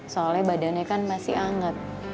soalnya badannya kan masih anget